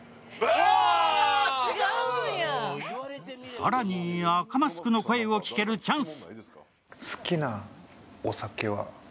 更に赤マスクの声を聞けるチャンス。